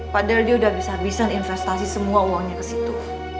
padahal dia udah habis habisan investasi semua uangnya ke situ